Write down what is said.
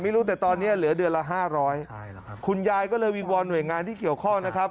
ไม่รู้แต่ตอนนี้เหลือเดือนละห้าร้อยคุณยายก็เลยวิงวอนหน่วยงานที่เกี่ยวข้องนะครับ